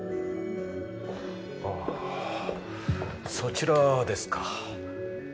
あそちらですか。